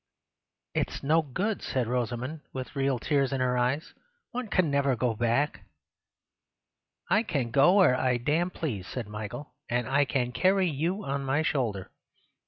"It is no good," said Rosamund, with real tears in her eyes; "one can never go back." "I can go where I damn please," said Michael, "and I can carry you on my shoulder."